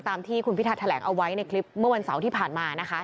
ตามที่คุณพิทาแถลงเอาไว้ในคลิปเมื่อวันเสาร์ที่ผ่านมานะคะ